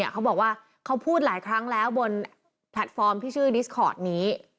เขาบอกว่าเขาพูดหลายครั้งแล้วบนแพลตฟอร์มที่ชื่อดิสคอร์ดนี้